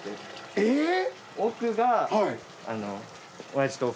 えっ！